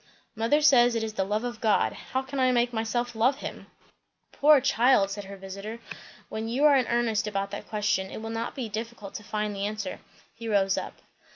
"Mother says, it is the love of God. How can I make myself love him?" "Poor child!" said her visiter. "When you are in earnest about that question it will not be difficult to find the answer." He rose up.